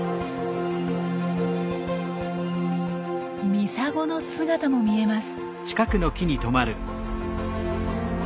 ミサゴの姿も見えます。